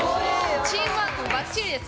チームワークもバッチリです！